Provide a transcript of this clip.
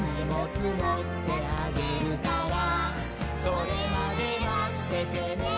「それまでまっててねー！」